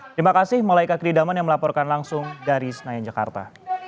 terima kasih malaikat kridaman yang melaporkan langsung dari senayan jakarta